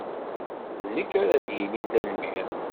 D nekk ara ak-yinin tanemmirt.